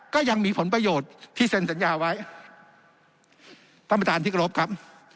ก็ยังมีผลประโยชน์ที่เซ็นสัญญาไว้ท่านประธานที่กรบครับ